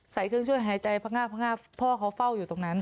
ใส่เครื่องช่วยหายใจพังงาบพงาบพ่อเขาเฝ้าอยู่ตรงนั้น